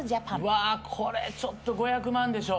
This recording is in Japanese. うわこれちょっと５００万でしょ。